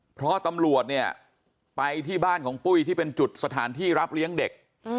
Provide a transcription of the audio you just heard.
เพราะตำรวจเนี่ยไปที่บ้านของปุ้ยที่เป็นจุดสถานที่รับเลี้ยงเด็ก